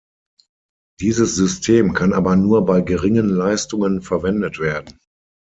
Dieses System kann aber nur bei geringen Leistungen verwendet werden.